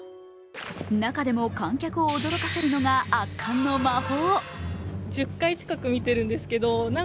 中でも観客を驚かせるのが圧巻の魔法。